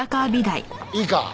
いいか？